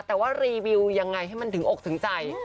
แต่ว่ารีวิวยังไงให้มันถึงอกถึงใจ